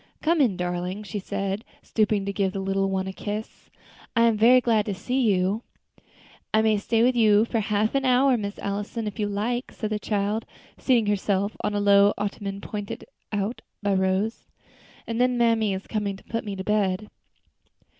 "Come in, darling," she said, stooping to give the little one a kiss; "I am very glad to see you." "I may stay with you for half an hour, Miss Allison, if you like," said the child, seating herself on the low ottoman pointed out by Rose, "and then mammy is coming to put me to bed."